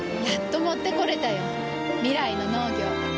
やっと持ってこれたよ。未来の農業。